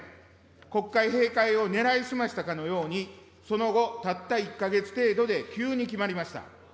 国会閉会を狙い澄ましたかのようにその後、たった１か月程度で急に決まりました。